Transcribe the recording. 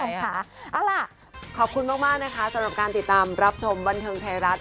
เอาล่ะขอบคุณมากนะคะสำหรับการติดตามรับชมบันเทิงไทยรัฐ